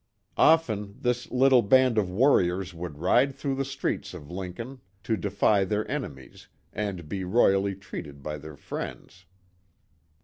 Often this little band of "warriors" would ride through the streets of Lincoln to defy their enemies, and be royally treated by their friends.